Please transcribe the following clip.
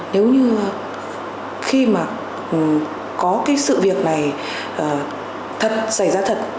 nếu như khi mà có cái sự việc này thật xảy ra thật